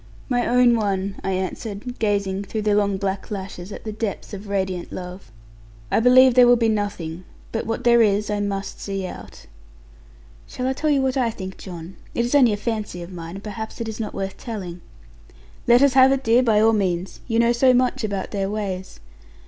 'My own one,' I answered, gazing through the long black lashes, at the depths of radiant love; 'I believe there will be nothing: but what there is I must see out.' 'Shall I tell you what I think, John? It is only a fancy of mine, and perhaps it is not worth telling.' 'Let us have it, dear, by all means. You know so much about their ways.'